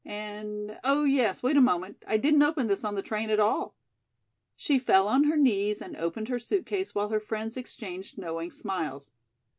"And oh, yes, wait a moment I didn't open this on the train at all." She fell on her knees and opened her suit case while her friends exchanged knowing smiles.